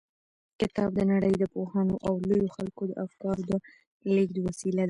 کتاب د نړۍ د پوهانو او لويو خلکو د افکارو د لېږد وسیله ده.